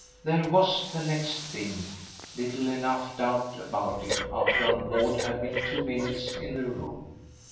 There was, the next thing, little enough doubt about it after Aunt Maud had been two minutes in the room.